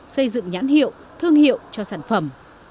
xây dựng nhãn hiệu thương hiệu cho sản phẩm